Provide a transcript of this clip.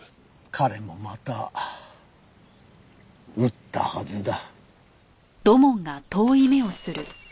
彼もまた撃ったはずだ。